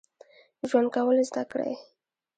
ژوند کول زده کړئ